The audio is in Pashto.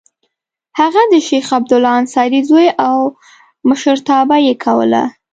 هغه د شیخ عبدالله انصاري زوی و او مشرتابه یې کوله.